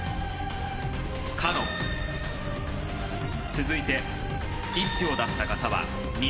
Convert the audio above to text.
続いて１票だった方は２名。